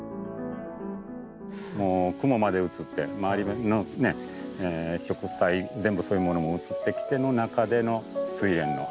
もう雲まで映って周りのね植栽全部そういうものも映ってきての中でのスイレンの花。